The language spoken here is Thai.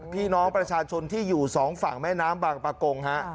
พี่น้องประชาชนที่อยู่สองฝั่งแม่น้ำบางประกงฮะ